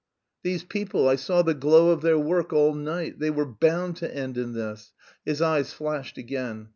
"These people! I saw the glow of their work all night. They were bound to end in this...." His eyes flashed again.